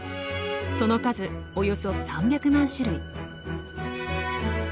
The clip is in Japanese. その数およそ３００万種類。